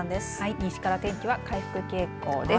西から天気は回復傾向です。